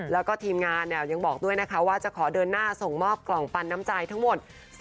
แล้วก็ทีมงานยังบอกด้วยนะคะว่าจะขอเดินหน้าส่งมอบกล่องปันน้ำใจทั้งหมด